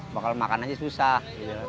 bakal makan aja susah